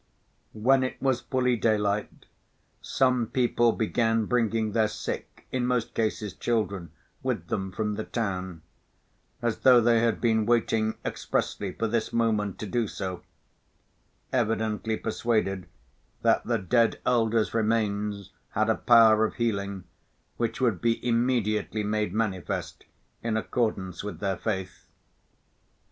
When it was fully daylight, some people began bringing their sick, in most cases children, with them from the town—as though they had been waiting expressly for this moment to do so, evidently persuaded that the dead elder's remains had a power of healing, which would be immediately made manifest in accordance with their faith.